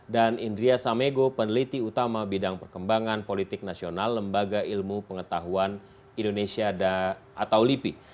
dan indria samego peneliti utama bidang perkembangan politik nasional lembaga ilmu pengetahuan indonesia atau lipi